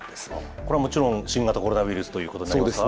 これはもちろん、新型コロナウイルスということになりますかね。